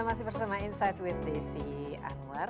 masih bersama insight with desi anwar